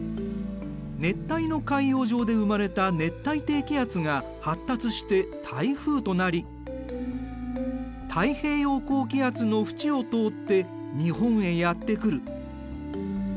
熱帯の海洋上で生まれた熱帯低気圧が発達して台風となり太平洋高気圧の縁を通って日本へやって来る。